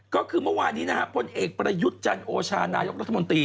ก็คือเมื่อวานนี้นะครับพลเอกประยุทธ์จันโอชานายกรัฐมนตรี